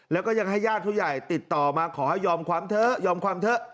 แล้วก็ยังให้ญาติผู้ใหญ่ติดต่อมาขอให้ยอมความเถอะยอมความเถอะ